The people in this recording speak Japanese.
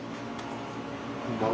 こんばんは。